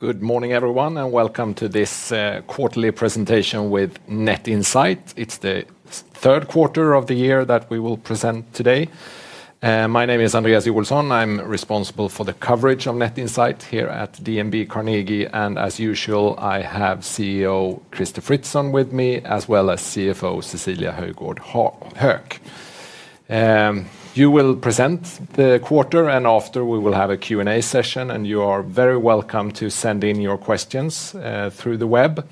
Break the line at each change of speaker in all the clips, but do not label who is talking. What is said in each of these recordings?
Good morning, everyone, and welcome to this quarterly presentation with Net Insight. It is the third quarter of the year that we will present today. My name is Andreas Joelsson. I am responsible for the coverage of Net Insight here at DNB Carnegie, and as usual, I have CEO Crister Fritzson with me, as well as CFO Cecilia Höjgård Höök. You will present the quarter, and after we will have a Q&A session, and you are very welcome to send in your questions through the web.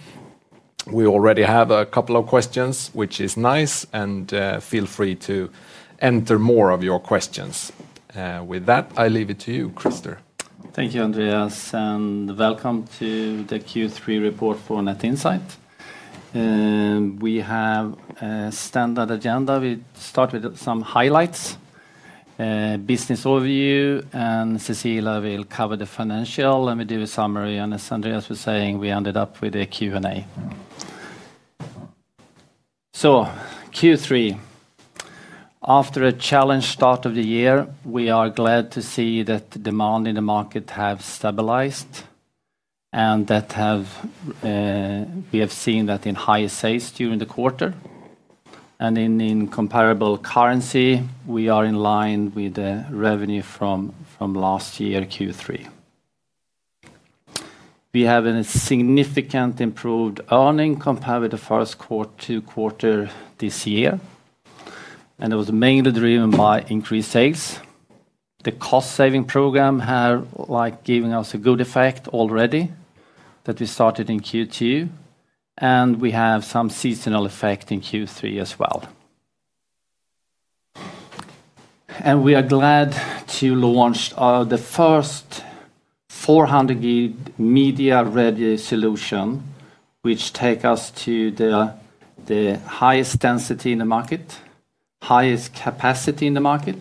We already have a couple of questions, which is nice, and feel free to enter more of your questions. With that, I leave it to you, Crister.
Thank you, Andreas, and welcome to the Q3 report for Net Insight. We have a standard agenda. We start with some highlights, business overview, and Cecilia will cover the financial, and we do a summary, and as Andreas was saying, we ended up with a Q&A. Q3. After a challenged start of the year, we are glad to see that demand in the market has stabilized. We have seen that in high sales during the quarter. In comparable currency, we are in line with the revenue from last year, Q3. We have a significant improved earning compared with the first quarter this year. It was mainly driven by increased sales. The cost-saving program has given us a good effect already that we started in Q2. We have some seasonal effect in Q3 as well. We are glad to launch the first 400G media-ready solution, which takes us to the highest density in the market. Highest capacity in the market.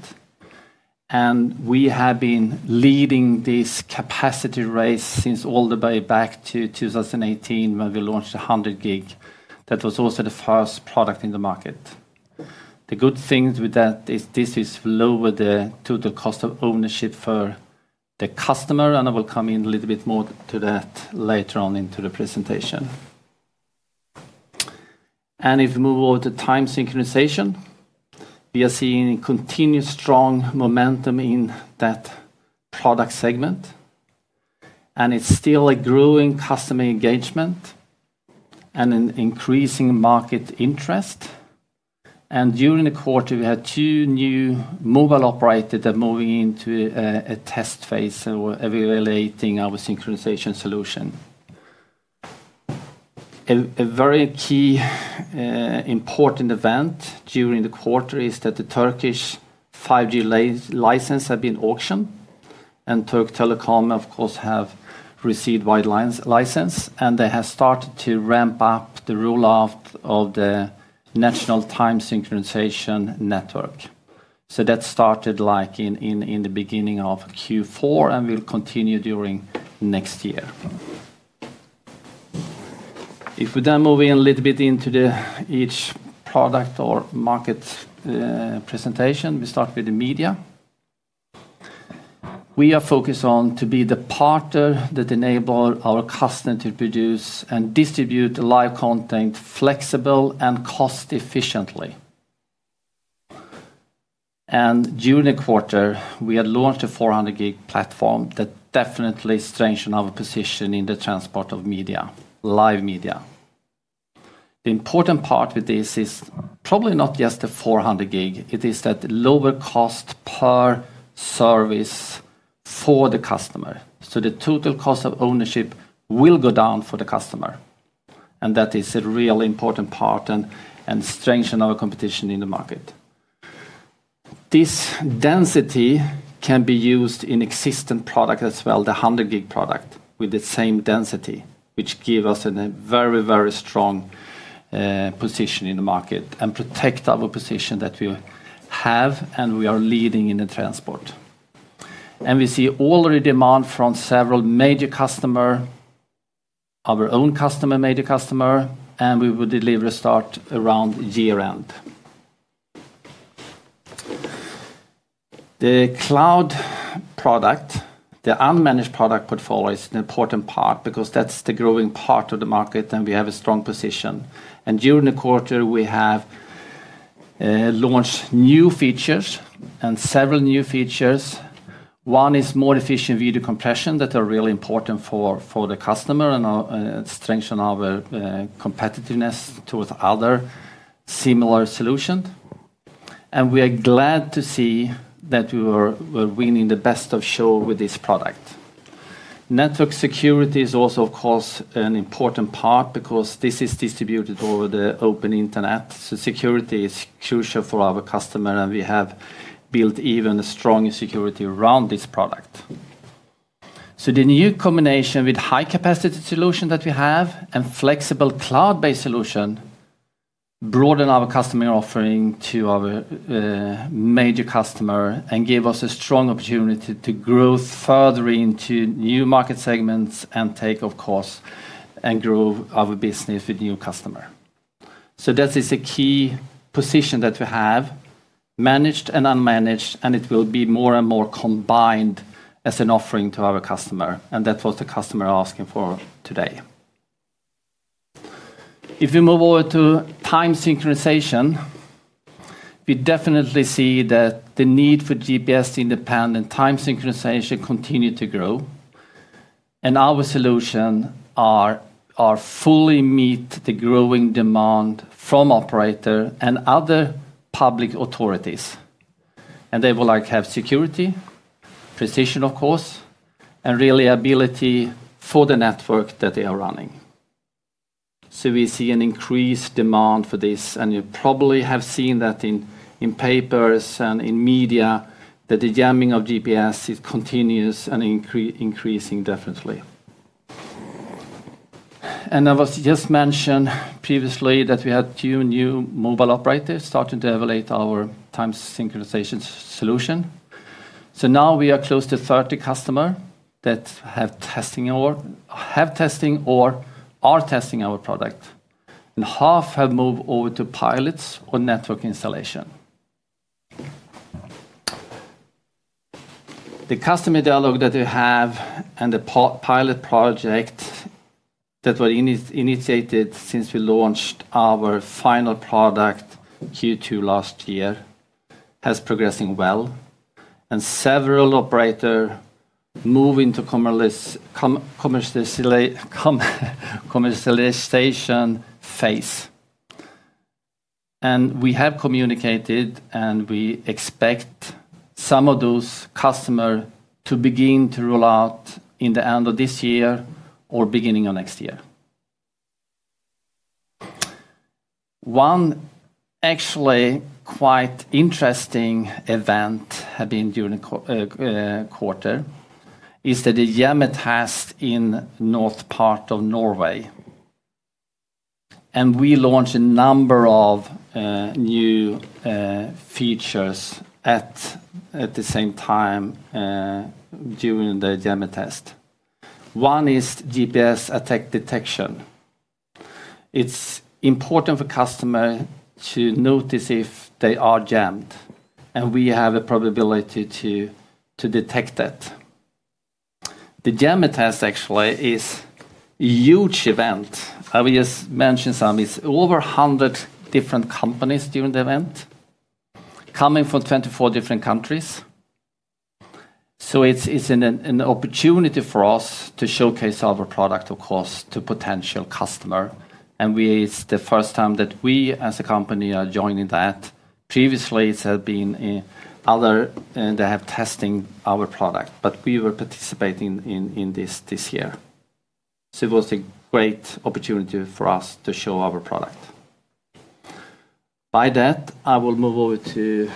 We have been leading this capacity race since all the way back to 2018 when we launched 100G. That was also the first product in the market. The good thing with that is this lowers the total cost of ownership for the customer, and I will come in a little bit more to that later on into the presentation. If we move over to time synchronization, we are seeing continued strong momentum in that product segment. It is still a growing customer engagement and an increasing market interest. During the quarter, we had two new mobile operators that are moving into a test phase evaluating our synchronization solution. A very key important event during the quarter is that the Turkish 5G license has been auctioned, and Türk Telekom, of course, has received a white license, and they have started to ramp up the rollout of the national time synchronization network. That started like in the beginning of Q4 and will continue during next year. If we then move in a little bit into each product or market presentation, we start with the media. We are focused on being the partner that enables our customers to produce and distribute live content flexibly and cost-efficiently. During the quarter, we had launched a 400G platform that definitely strengthened our position in the transport of media, live media. The important part with this is probably not just the 400G; it is that lower cost per service for the customer. The total cost of ownership will go down for the customer. That is a real important part and strengthens our competition in the market. This density can be used in existing products as well, the 100G product with the same density, which gives us a very, very strong position in the market and protects our position that we have and we are leading in the transport. We see all the demand from several major customers, our own customers, major customers, and we will deliver start around year-end. The cloud product, the unmanaged product portfolio, is an important part because that's the growing part of the market and we have a strong position. During the quarter, we have launched new features and several new features. One is more efficient video compression that is really important for the customer and strengthens our competitiveness to other similar solutions. We are glad to see that we are winning the best of show with this product. Network security is also, of course, an important part because this is distributed over the open internet. Security is crucial for our customers, and we have built even a stronger security around this product. The new combination with high-capacity solutions that we have and flexible cloud-based solutions broadens our customer offering to our major customers and gives us a strong opportunity to grow further into new market segments and take, of course, and grow our business with new customers. That is a key position that we have, managed and unmanaged, and it will be more and more combined as an offering to our customers. That is what the customers are asking for today. If we move over to time synchronization. We definitely see that the need for GPS-independent time synchronization continues to grow. Our solutions fully meet the growing demand from operators and other public authorities. They will have security, precision, of course, and real ability for the network that they are running. We see an increased demand for this, and you probably have seen that in papers and in media that the jamming of GPS is continuous and increasing definitely. I just mentioned previously that we had two new mobile operators starting to evaluate our time synchronization solution. Now we are close to 30 customers that have testing or are testing our product, and half have moved over to pilots or network installation. The customer dialogue that we have and the pilot project that were initiated since we launched our final product Q2 last year has been progressing well. Several operators move into commercial, commercialization phase. We have communicated, and we expect some of those customers to begin to roll out in the end of this year or beginning of next year. One actually quite interesting event that happened during the quarter is the Jammertest in the north part of Norway. We launched a number of new features at the same time during the Jammertest. One is GPS attack detection. It is important for customers to notice if they are jammed, and we have a probability to detect it. The Jammertest actually is a huge event. I will just mention some. It is over 100 different companies during the event, coming from 24 different countries. It is an opportunity for us to showcase our product, of course, to potential customers. It is the first time that we as a company are joining that. Previously, it had been. Other that have been testing our product, but we were participating in this this year. It was a great opportunity for us to show our product. By that, I will move over to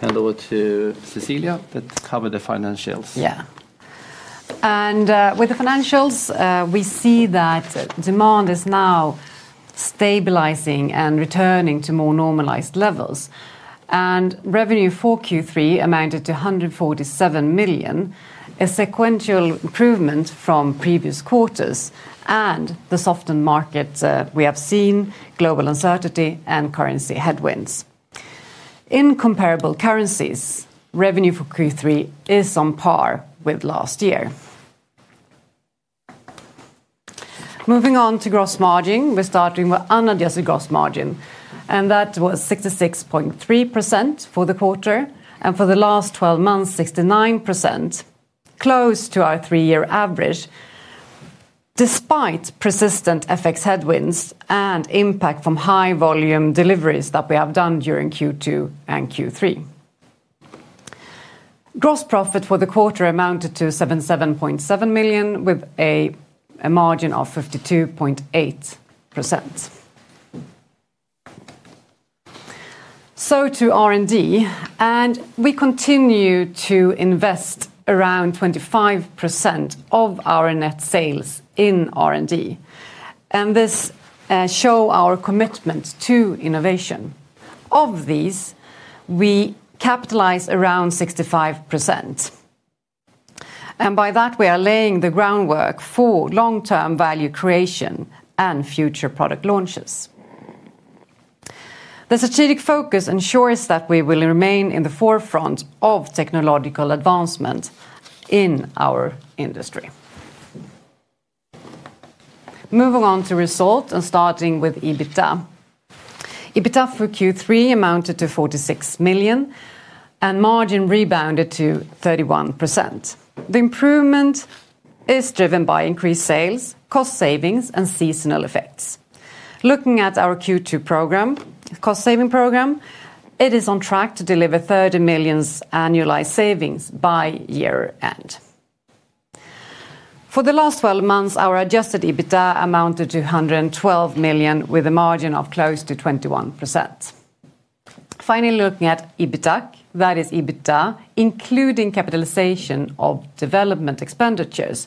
hand over to Cecilia that covered the financials.
Yeah. With the financials, we see that demand is now stabilizing and returning to more normalized levels. Revenue for Q3 amounted to 147 million, a sequential improvement from previous quarters. The softened market we have seen, global uncertainty, and currency headwinds. In comparable currencies, revenue for Q3 is on par with last year. Moving on to gross margin, we are starting with unadjusted gross margin, and that was 66.3% for the quarter and for the last 12 months, 69%. Close to our three-year average. Despite persistent FX headwinds and impact from high-volume deliveries that we have done during Q2 and Q3. Gross profit for the quarter amounted to 77.7 million with a margin of 52.8%. To R&D, we continue to invest around 25% of our net sales in R&D. This shows our commitment to innovation. Of these, we capitalize around 65%. By that, we are laying the groundwork for long-term value creation and future product launches. The strategic focus ensures that we will remain in the forefront of technological advancement in our industry. Moving on to results and starting with EBITDA. EBITDA for Q3 amounted to 46 million. Margin rebounded to 31%. The improvement is driven by increased sales, cost savings, and seasonal effects. Looking at our Q2 cost saving program, it is on track to deliver 30 million annualized savings by year-end. For the last 12 months, our adjusted EBITDA amounted to 112 million with a margin of close to 21%. Finally, looking at EBITDAC, that is EBITDA including capitalization of development expenditures.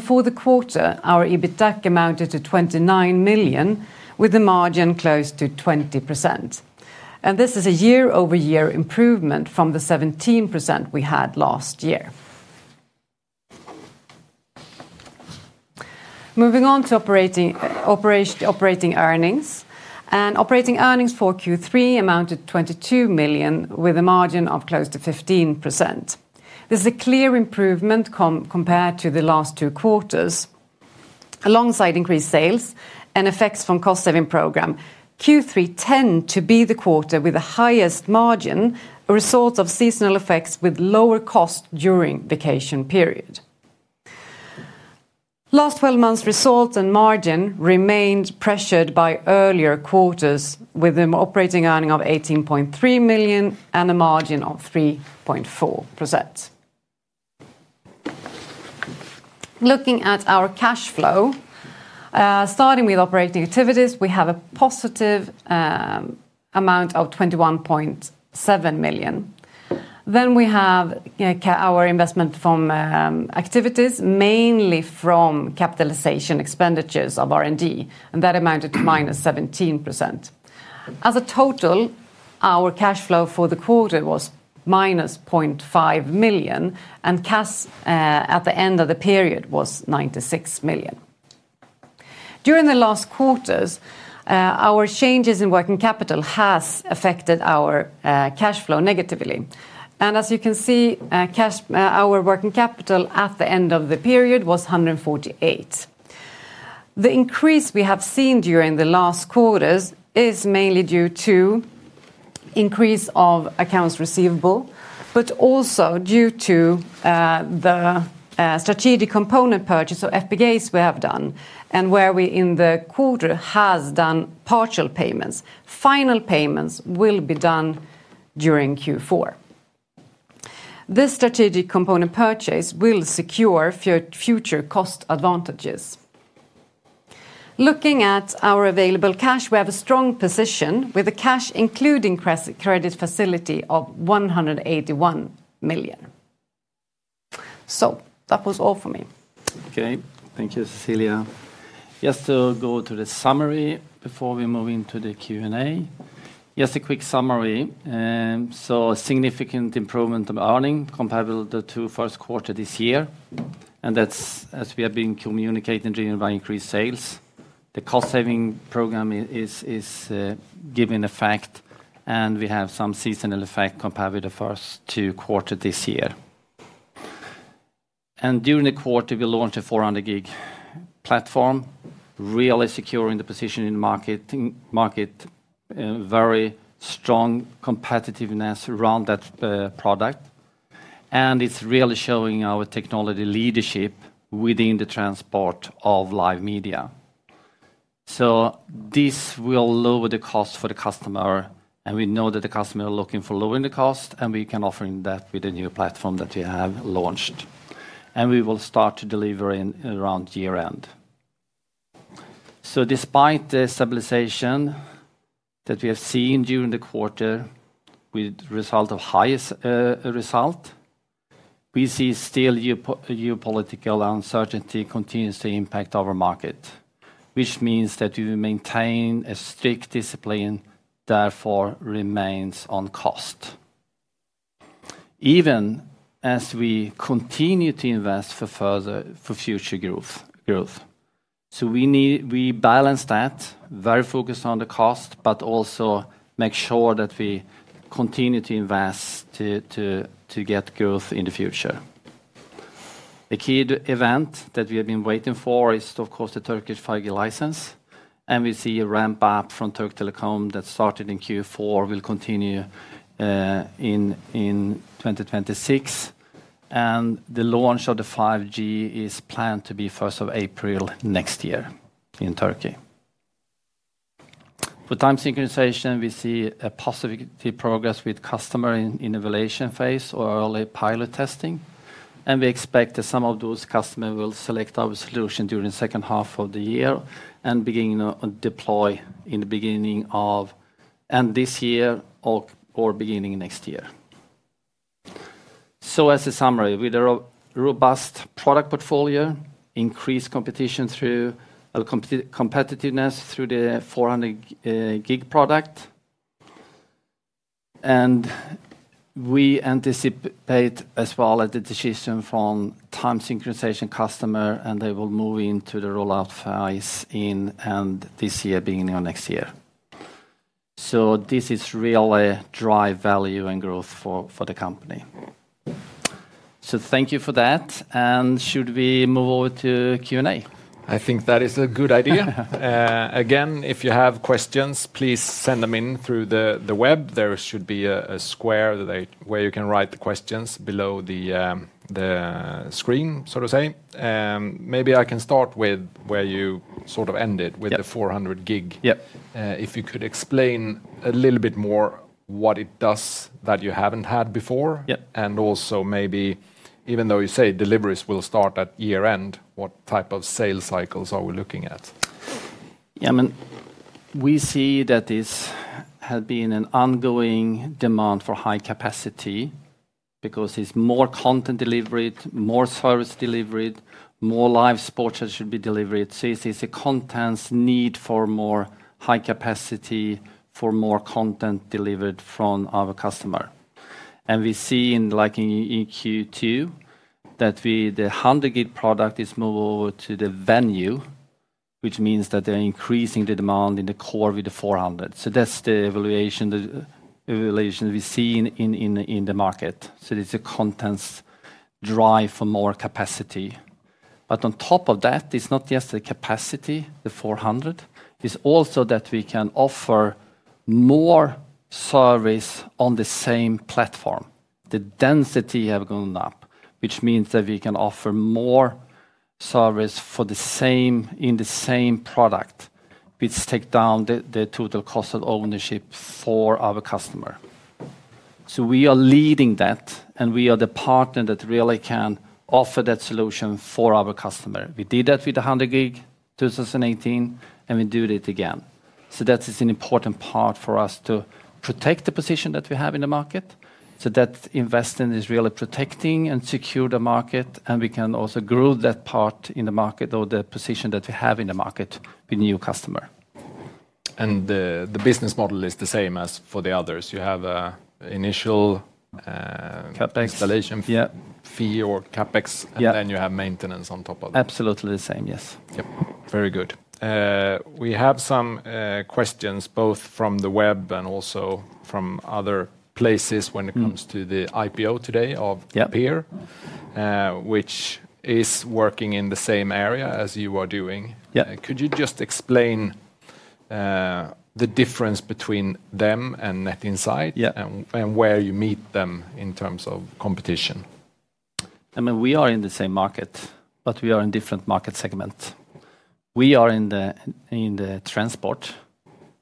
For the quarter, our EBITDAC amounted to 29 million with a margin close to 20%. This is a year-over-year improvement from the 17% we had last year. Moving on to operating earnings. Operating earnings for Q3 amounted to 22 million with a margin of close to 15%. This is a clear improvement compared to the last two quarters. Alongside increased sales and effects from the cost-saving program, Q3 tended to be the quarter with the highest margin, a result of seasonal effects with lower costs during the vacation period. Last 12 months' results and margin remained pressured by earlier quarters with an operating earning of 18.3 million and a margin of 3.4%. Looking at our cash flow. Starting with operating activities, we have a positive amount of 21.7 million. We have our investment from activities, mainly from capitalization expenditures of R&D, and that amounted to -17%. As a total, our cash flow for the quarter was -0.5 million, and cash at the end of the period was 96 million. During the last quarters, our changes in working capital have affected our cash flow negatively. As you can see, our working capital at the end of the period was 148 million. The increase we have seen during the last quarters is mainly due to increase of accounts receivable, but also due to the strategic component purchase of FPGAs we have done, and where we in the quarter have done partial payments. Final payments will be done during Q4. This strategic component purchase will secure future cost advantages. Looking at our available cash, we have a strong position with a cash including credit facility of 181 million. That was all for me.
Okay, thank you, Cecilia. Just to go to the summary before we move into the Q&A. Just a quick summary. So a significant improvement of earning comparable to the first quarter this year. And that's as we have been communicating during increased sales. The cost-saving program is giving effect, and we have some seasonal effect compared with the first two quarters this year. During the quarter, we launched a 400G platform. Really securing the position in the market. Very strong competitiveness around that product. It's really showing our technology leadership within the transport of live media. This will lower the cost for the customer, and we know that the customer is looking for lowering the cost, and we can offer that with the new platform that we have launched. We will start delivering around year-end. Despite the stabilization that we have seen during the quarter with the result of highest result. We see still geopolitical uncertainty continues to impact our market, which means that we maintain a strict discipline that therefore remains on cost. Even as we continue to invest for further future growth. We balance that, very focused on the cost, but also make sure that we continue to invest to get growth in the future. The key event that we have been waiting for is, of course, the Turkish 5G license. We see a ramp-up from Türk Telekom that started in Q4 will continue. In 2026. The launch of the 5G is planned to be 1st of April next year in Turkey. For time synchronization, we see a positive progress with customer in evaluation phase or early pilot testing. We expect that some of those customers will select our solution during the second half of the year and begin to deploy in the beginning of this year or beginning next year. As a summary, we have a robust product portfolio, increased competitiveness through the 400G product. We anticipate as well as the decision from time synchronization customers, and they will move into the rollout phase in this year, beginning of next year. This is really driving value and growth for the company. Thank you for that. Should we move over to Q&A?
I think that is a good idea. Again, if you have questions, please send them in through the web. There should be a square where you can write the questions below the screen, so to say. Maybe I can start with where you sort of ended with the 400G. If you could explain a little bit more what it does that you have not had before. Also, maybe even though you say deliveries will start at year-end, what type of sales cycles are we looking at?
Yeah, I mean, we see that this has been an ongoing demand for high capacity because it's more content delivered, more service delivered, more live sports that should be delivered. So it's a content need for more high capacity, for more content delivered from our customer. We see in Q2 that the 100G product is moved over to the venue, which means that they're increasing the demand in the core with the 400G. That's the evaluation we see in the market. It's a content drive for more capacity. On top of that, it's not just the capacity, the 400G. It's also that we can offer more service on the same platform. The density has gone up, which means that we can offer more service for the same, in the same product, which takes down the total cost of ownership for our customer. We are leading that, and we are the partner that really can offer that solution for our customer. We did that with the 100G in 2018, and we do it again. That is an important part for us to protect the position that we have in the market. Investing is really protecting and securing the market, and we can also grow that part in the market or the position that we have in the market with new customers.
The business model is the same as for the others? You have an initial installation fee or CapEx, and then you have maintenance on top of that.
Absolutely the same, yes.
Yep, very good. We have some questions both from the web and also from other places when it comes to the IPO today of PEER, which is working in the same area as you are doing. Could you just explain the difference between them and Net Insight and where you meet them in terms of competition?
I mean, we are in the same market, but we are in different market segments. We are in the transport,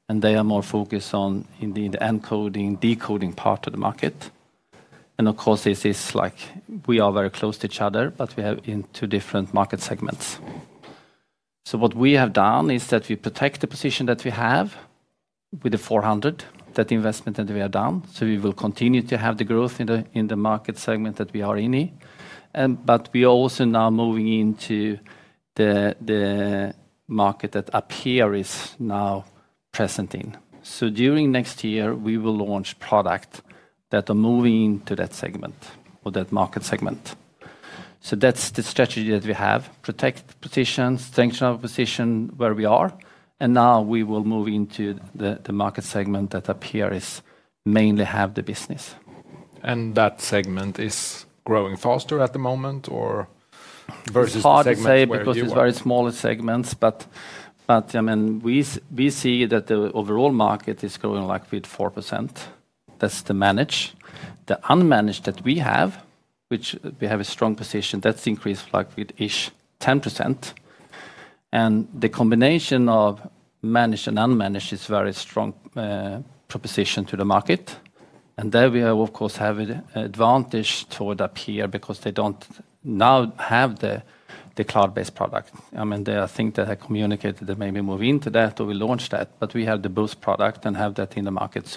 and they are more focused on the encoding, decoding part of the market. Of course, this is like we are very close to each other, but we are in two different market segments. What we have done is that we protect the position that we have with the 400G, that investment that we have done. We will continue to have the growth in the market segment that we are in. We are also now moving into the market that PEER is now present in. During next year, we will launch products that are moving into that segment or that market segment. That is the strategy that we have: protect position, strengthen our position where we are. We will move into the market segment that PEER mainly has the business.
That segment is growing faster at the moment, or versus segment you see?
Hard to say because it's very small segments. I mean, we see that the overall market is growing like with 4%. That's the managed. The unmanaged that we have, which we have a strong position, that's increased like with 10%. The combination of managed and unmanaged is a very strong proposition to the market. There we have, of course, have an advantage toward PEER because they don't now have the cloud-based product. I mean, I think that I communicated that maybe move into that or we launch that, but we have the boost product and have that in the market.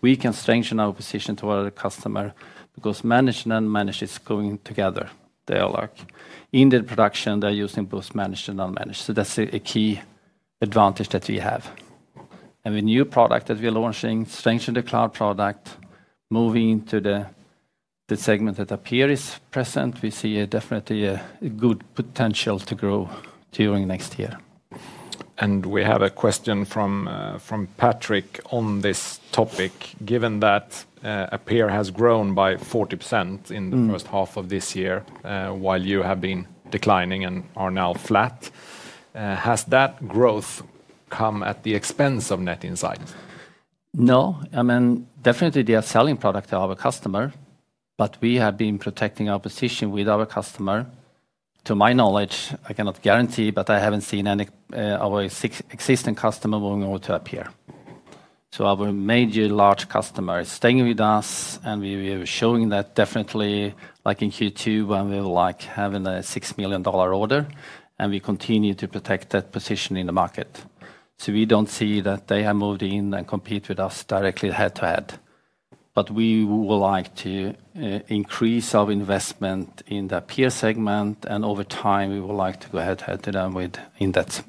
We can strengthen our position toward our customer because managed and unmanaged is going together. They are like in the production, they're using both managed and unmanaged. That's a key advantage that we have. The new product that we are launching strengthens the cloud product, moves into the segment that PEER is present, we see definitely a good potential to grow during next year.
We have a question from Patrick on this topic. Given that PEER has grown by 40% in the first half of this year while you have been declining and are now flat, has that growth come at the expense of Net Insight?
No, I mean, definitely they are selling product to our customer, but we have been protecting our position with our customer. To my knowledge, I cannot guarantee, but I haven't seen any of our existing customers moving over to PEER. Our major large customer is staying with us, and we are showing that definitely like in Q2 when we were like having a $6 million order, and we continue to protect that position in the market. We do not see that they have moved in and competed with us directly head to head. We would like to increase our investment in the PEER segment, and over time we would like to go head to head with them in that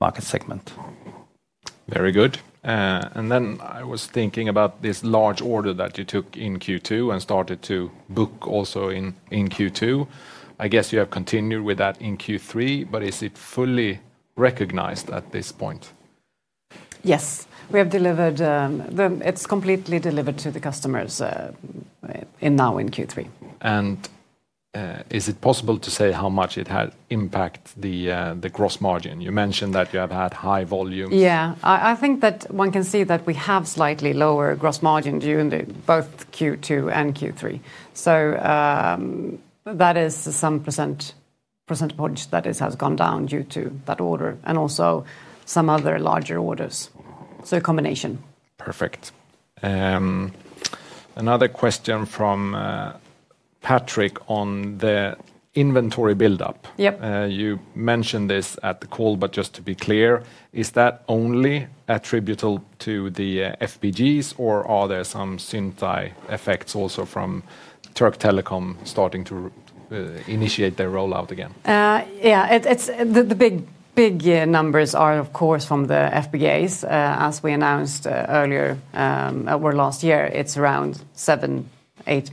market segment.
Very good. I was thinking about this large order that you took in Q2 and started to book also in Q2. I guess you have continued with that in Q3, but is it fully recognized at this point?
Yes, we have delivered. It's completely delivered to the customers. Now in Q3.
Is it possible to say how much it has impacted the gross margin? You mentioned that you have had high volumes.
Yeah, I think that one can see that we have slightly lower gross margin during both Q2 and Q3. That is some percent that has gone down due to that order and also some other larger orders. A combination.
Perfect. Another question from Patrick on the inventory buildup. You mentioned this at the call, but just to be clear, is that only attributable to the FPGAs or are there some Zyntai effects also from Türk Telekom starting to initiate their rollout again?
Yeah, the big numbers are, of course, from the FPGAs. As we announced earlier, or last year, it's around $7 million-$8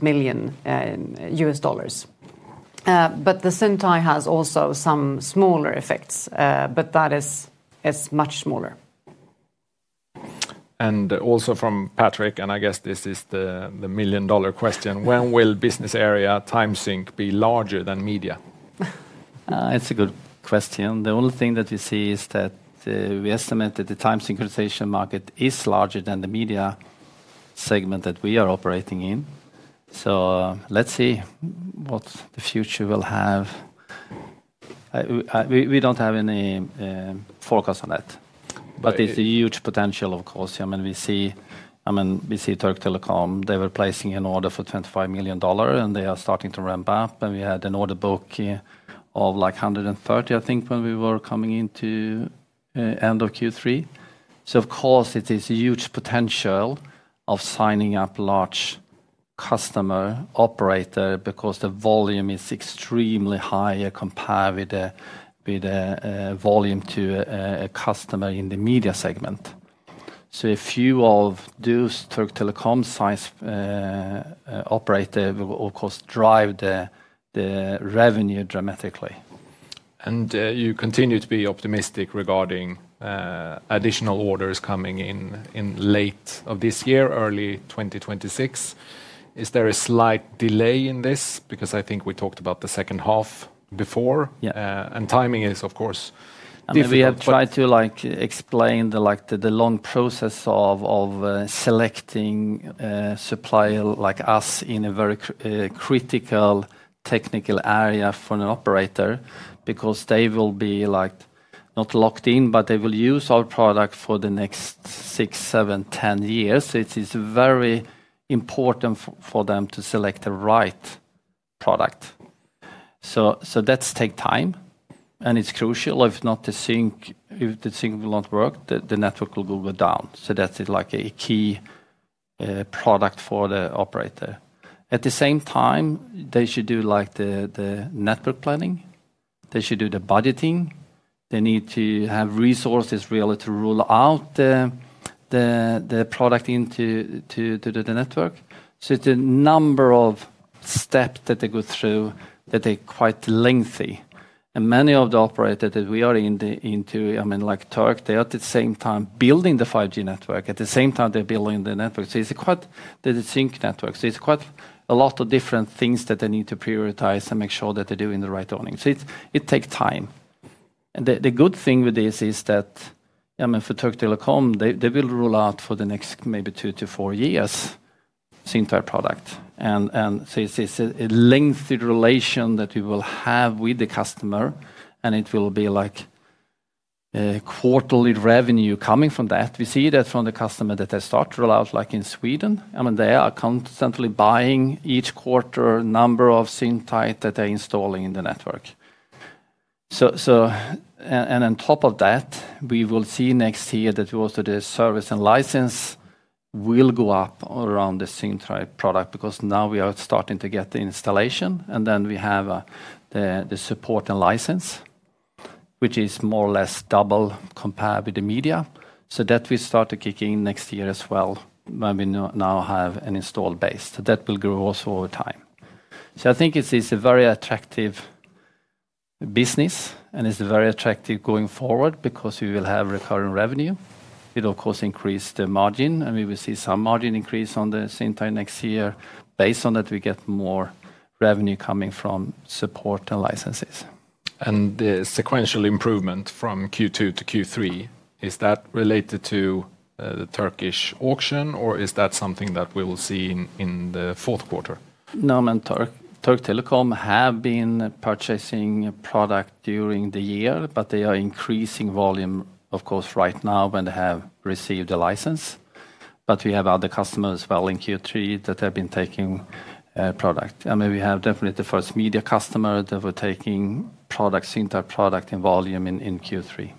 million. But the Zyntai has also some smaller effects, but that is much smaller.
Also from Patrick, and I guess this is the million-dollar question, when will business area time sync be larger than media?
It's a good question. The only thing that we see is that we estimate that the time synchronization market is larger than the media segment that we are operating in. Let's see what the future will have. We don't have any forecast on that. But it's a huge potential, of course. I mean, we see Türk Telekom, they were placing an order for $25 million, and they are starting to ramp up. We had an order book of like 130 million, I think, when we were coming into end of Q3. Of course, it is a huge potential of signing up large customer operators because the volume is extremely high compared with the volume to a customer in the media segment. If you all do Türk Telekom size operator, of course, drive the revenue dramatically.
You continue to be optimistic regarding additional orders coming in late this year, early 2026. Is there a slight delay in this? Because I think we talked about the second half before. Timing is, of course.
We have tried to explain the long process of selecting a supplier like us in a very critical technical area for an operator, because they will be not locked in, but they will use our product for the next six, seven, 10 years. It is very important for them to select the right product. That takes time. It is crucial. If the sync will not work, the network will go down. That is a key product for the operator. At the same time, they should do the network planning. They should do the budgeting. They need to have resources really to roll out the product into the network. It is a number of steps that they go through that are quite lengthy. Many of the operators that we are into, I mean, like Türk Telekom, they are at the same time building the 5G network. At the same time, they're building the network. So it's quite the sync network. It's quite a lot of different things that they need to prioritize and make sure that they're doing the right ordering. It takes time. The good thing with this is that, I mean, for Türk Telekom, they will roll out for the next maybe two to four years. Zyntai product. It's a lengthy relation that we will have with the customer, and it will be like quarterly revenue coming from that. We see that from the customer, that they start to roll out like in Sweden. I mean, they are constantly buying each quarter a number of Zyntai that they're installing in the network. On top of that, we will see next year that also the service and license. Will go up around the Zyntai product because now we are starting to get the installation, and then we have the support and license, which is more or less double compared with the media. That will start to kick in next year as well when we now have an installed base. That will grow also over time. I think it is a very attractive business, and it is very attractive going forward because we will have recurring revenue. It will, of course, increase the margin, and we will see some margin increase on the Zyntai next year. Based on that, we get more revenue coming from support and licenses.
The sequential improvement from Q2 to Q3, is that related to the Turkish auction, or is that something that we will see in the fourth quarter?
No, I mean, Türk Telekom have been purchasing product during the year, but they are increasing volume, of course, right now when they have received the license. We have other customers as well in Q3 that have been taking product. I mean, we have definitely the first media customer that were taking product, Zyntai product in volume in Q3.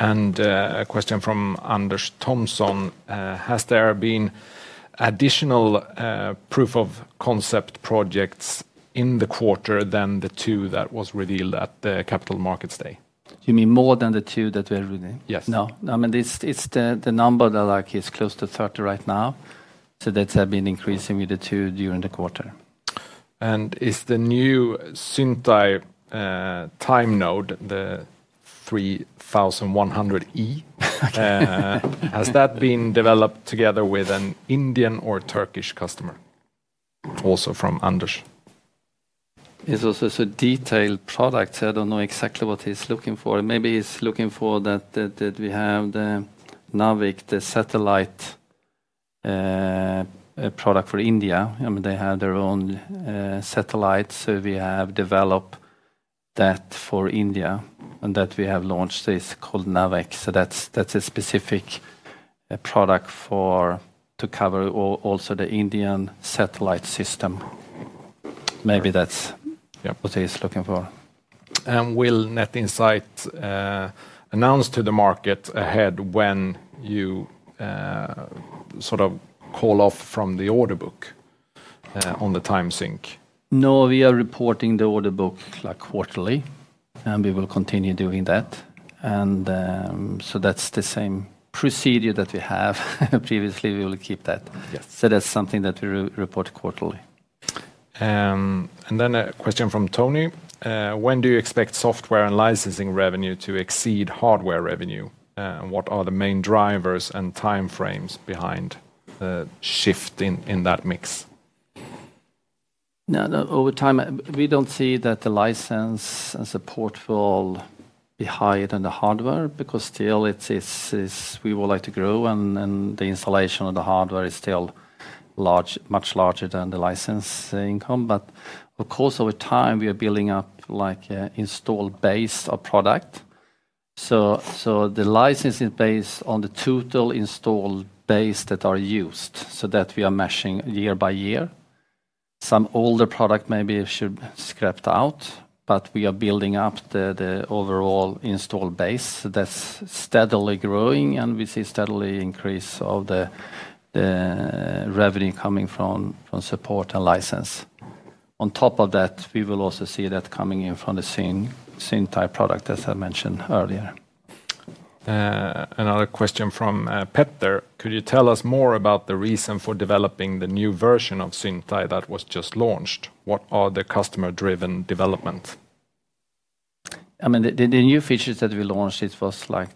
A question from Anders Thomson. Has there been additional proof of concept projects in the quarter than the two that were revealed at the Capital Markets Day?
You mean more than the two that were revealed?
Yes.
No, I mean, it's the number that is close to 30 right now. So that's been increasing with the two during the quarter.
Is the new Zyntai time node, the 3100E, has that been developed together with an Indian or Turkish customer? Also from Anders.
It's also a detailed product, so I don't know exactly what he's looking for. Maybe he's looking for that we have the NavIC, the satellite product for India. I mean, they have their own satellites, so we have developed that for India. And that we have launched is called NavIC. That's a specific product to cover also the Indian satellite system. Maybe that's what he's looking for.
Will Net Insight announce to the market ahead when you sort of call off from the order book on the time sync?
No, we are reporting the order book quarterly, and we will continue doing that. That is the same procedure that we have previously. We will keep that. That is something that we report quarterly.
A question from Tony. When do you expect software and licensing revenue to exceed hardware revenue? What are the main drivers and timeframes behind the shift in that mix?
No, over time, we do not see that the license and support will be higher than the hardware because still, we would like to grow, and the installation of the hardware is still much larger than the license income. Of course, over time, we are building up like an installed base of product. The license is based on the total installed base that are used, so that we are matching year by year. Some older product maybe should be scrapped out, but we are building up the overall installed base. That is steadily growing, and we see steadily increase of the revenue coming from support and license. On top of that, we will also see that coming in from the Zyntai product, as I mentioned earlier.
Another question from Petter. Could you tell us more about the reason for developing the new version of Zyntai that was just launched? What are the customer-driven developments?
I mean, the new features that we launched, it was like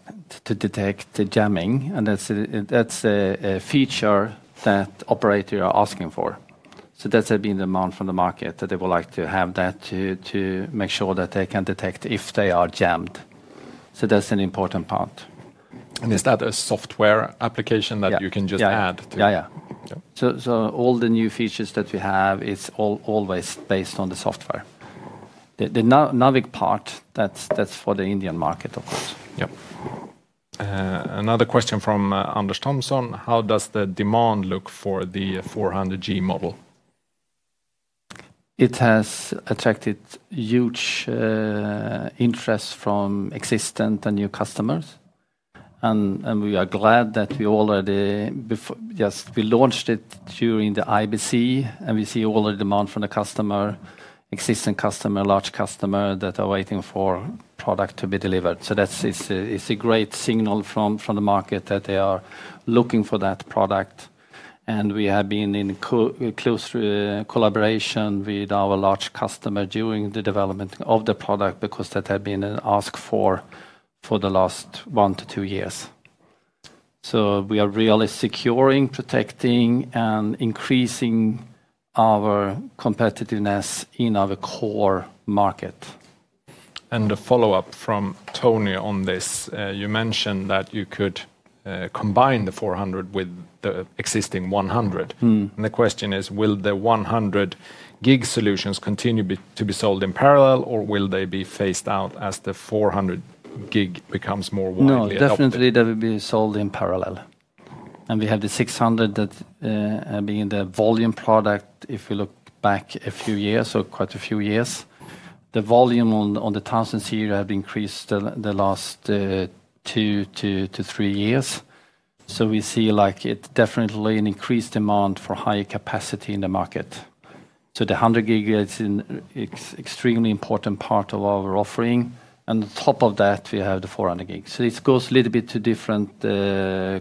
to detect jamming, and that's a feature that operators are asking for. That's been demand from the market that they would like to have that to make sure that they can detect if they are jammed. That's an important part.
Is that a software application that you can just add to?
Yeah, yeah. All the new features that we have is always based on the software. The NavIC part, that's for the Indian market, of course.
Yeah. Another question from Anders Thomson. How does the demand look for the 400G model?
It has attracted huge interest from existing and new customers. We are glad that we already just launched it during the IBC, and we see all the demand from the customer, existing customer, large customer that are waiting for product to be delivered. That is a great signal from the market that they are looking for that product. We have been in close collaboration with our large customer during the development of the product because that had been an ask for the last one to two years. We are really securing, protecting, and increasing our competitiveness in our core market.
A follow-up from Tony on this. You mentioned that you could combine the 400 with the existing 100. The question is, will the 100G solutions continue to be sold in parallel, or will they be phased out as the 400G becomes more widely available?
No, definitely they will be sold in parallel. We have the 600G that have been the volume product. If we look back a few years, quite a few years, the volume on the 1000 series has increased the last two to three years. We see it is definitely an increased demand for higher capacity in the market. The 100G is an extremely important part of our offering. On top of that, we have the 400G. It goes a little bit to different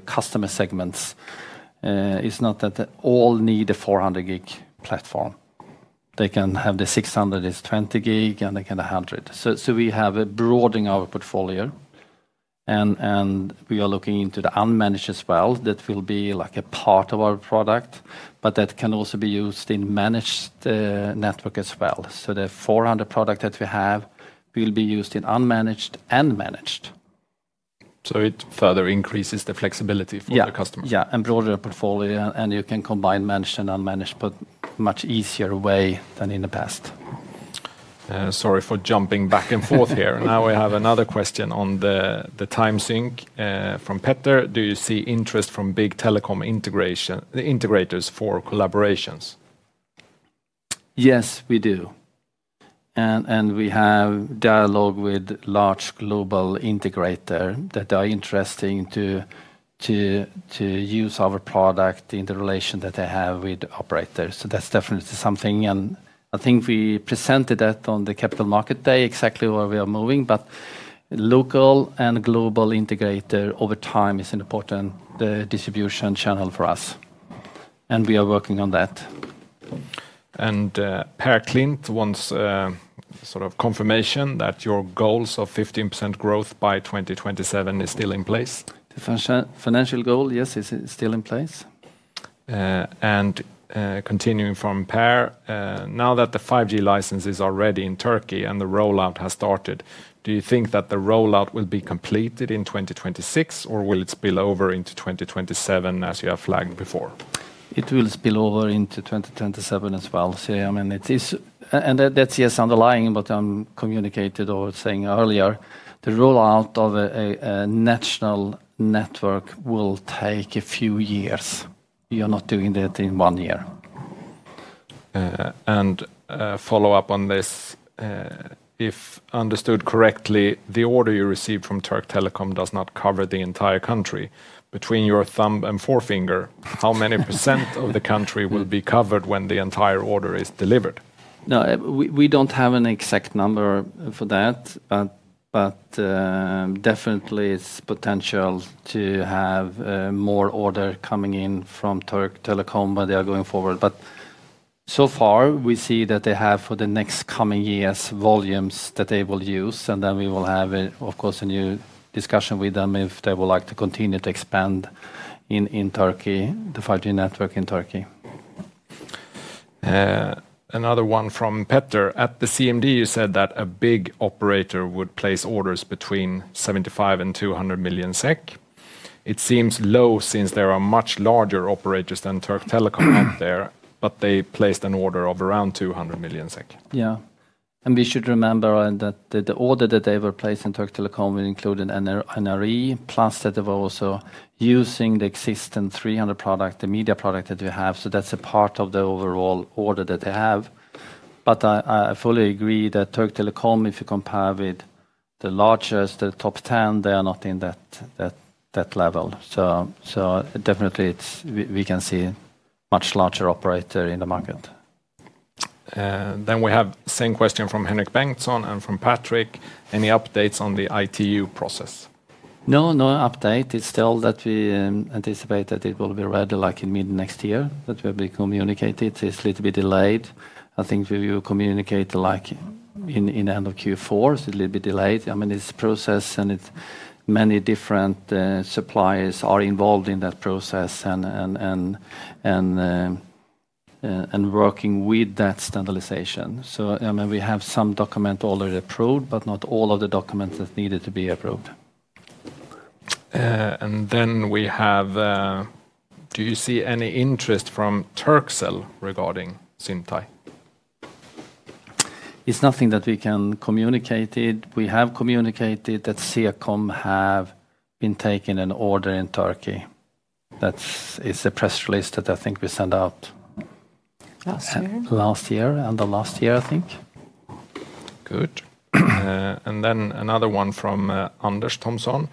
customer segments. It is not that all need a 400G platform. They can have the 600G, it is 20G, and they can have 100G. We have a broadening of our portfolio. We are looking into the unmanaged as well. That will be like a part of our product, but that can also be used in managed network as well. The 400G product that we have will be used in unmanaged and managed.
It further increases the flexibility for the customer.
Yeah, and broader portfolio. You can combine managed and unmanaged in a much easier way than in the past.
Sorry for jumping back and forth here. Now we have another question on the time sync from Petter. Do you see interest from big telecom integrators for collaborations?
Yes, we do. We have dialogue with large global integrators that are interested to use our product in the relation that they have with operators. That is definitely something. I think we presented that on the Capital Market Day, exactly where we are moving. Local and global integrator over time is an important distribution channel for us. We are working on that.
Per [Clint], once sort of confirmation that your goals of 15% growth by 2027 is still in place?
The financial goal, yes, it's still in place.
Continuing from Per, now that the 5G license is already in Turkey and the rollout has started, do you think that the rollout will be completed in 2026, or will it spill over into 2027 as you have flagged before?
It will spill over into 2027 as well. I mean, it is, and that's yes, underlying, but I'm communicated or saying earlier, the rollout of a national network will take a few years. You're not doing that in one year.
If I understood correctly, the order you received from Türk Telekom does not cover the entire country. Between your thumb and forefinger, how many percent of the country will be covered when the entire order is delivered?
No, we don't have an exact number for that. Definitely, it's potential to have more order coming in from Türk Telekom when they are going forward. So far, we see that they have for the next coming years volumes that they will use. We will have, of course, a new discussion with them if they would like to continue to expand in Turkey, the 5G network in Turkey.
Another one from Petter. At the CMD, you said that a big operator would place orders between 75 million and 200 million SEK. It seems low since there are much larger operators than Türk Telekom out there, but they placed an order of around 200 million SEK.
Yeah. We should remember that the order that they were placed in Türk Telekom would include an NRE, plus that they were also using the existing 300 product, the media product that we have. That is a part of the overall order that they have. I fully agree that Türk Telekom, if you compare with the largest, the top 10, they are not in that level. Definitely we can see a much larger operator in the market.
We have the same question from Henrik Bengtsson and from Patrick. Any updates on the ITU process?
No, no update. It's still that we anticipate that it will be ready like in mid next year that will be communicated. It's a little bit delayed. I think we will communicate like in the end of Q4, so it's a little bit delayed. I mean, it's a process and many different suppliers are involved in that process and. Working with that standardization. I mean, we have some documents already approved, but not all of the documents that needed to be approved.
Do you see any interest from Turkcell regarding Zyntai?
It's nothing that we can communicate. We have communicated that CECOM have been taking an order in Turkey. That is a press release that I think we sent out last year and the last year, I think.
Good. Another one from Anders Thomson.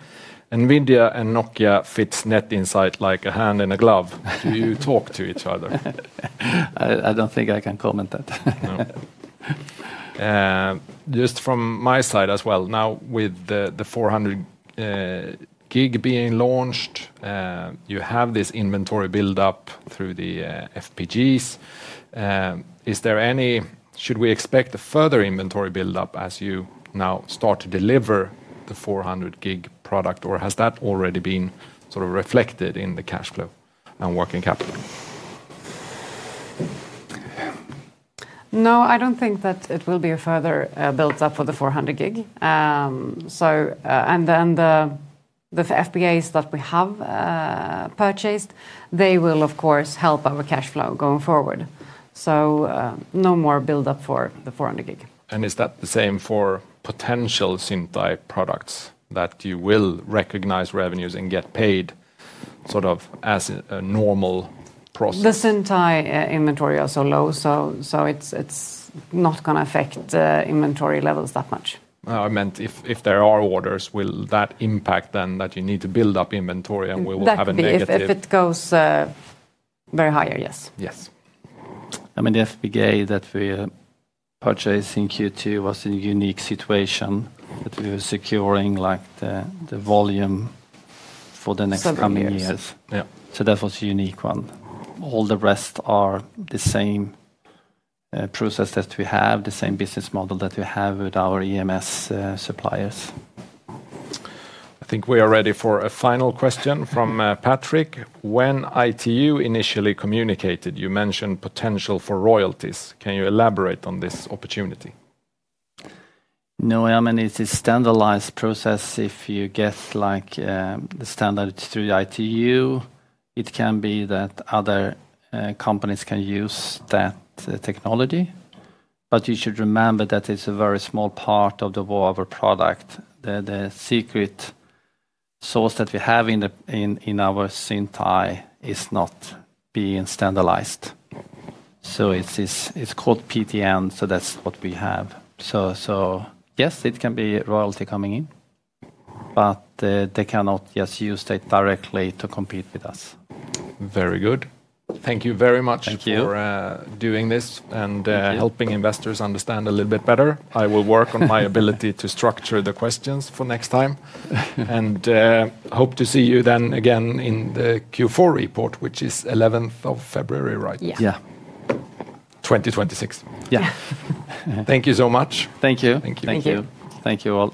NVIDIA and Nokia fits Net Insight like a hand in a glove. Do you talk to each other?
I don't think I can comment on that.
Just from my side as well. Now, with the 400G being launched, you have this inventory buildup through the FPGAs. Is there any, should we expect a further inventory buildup as you now start to deliver the 400G product, or has that already been sort of reflected in the cash flow and working capital?
No, I do not think that it will be a further buildup for the 400G. The FPGAs that we have purchased, they will, of course, help our cash flow going forward. No more buildup for the 400G.
Is that the same for potential Zyntai products, that you will recognize revenues and get paid sort of as a normal process?
The Zyntai inventory are so low, so it's not going to affect inventory levels that much.
I meant, if there are orders, will that impact then that you need to build up inventory and we will have a negative?
If it goes very higher, yes.
Yes. I mean, the FPGA that we purchased in Q2 was a unique situation that we were securing, like, the volume for the next coming years. That was a unique one. All the rest are the same process that we have, the same business model that we have with our EMS suppliers.
I think we are ready for a final question from Patrick. When ITU initially communicated, you mentioned potential for royalties. Can you elaborate on this opportunity?
No, I mean, it's a standardized process. If you get like the standard through the ITU, it can be that other companies can use that technology. You should remember that it's a very small part of the whole of our product. The secret sauce that we have in our Zyntai is not being standardized. It's called PTN, so that's what we have. Yes, it can be royalty coming in. They cannot just use that directly to compete with us.
Very good. Thank you very much for doing this and helping investors understand a little bit better. I will work on my ability to structure the questions for next time. I hope to see you then again in the Q4 report, which is 11th of February, right?
Yeah.
2026?
Yeah.
Thank you so much.
Thank you.
Thank you. Thank you all.